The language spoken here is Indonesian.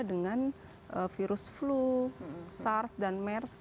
dengan virus flu sars dan mers